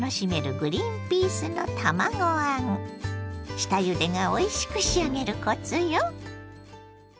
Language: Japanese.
下ゆでがおいしく仕上げるコツよ。